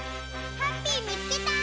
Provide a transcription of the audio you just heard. ハッピーみつけた！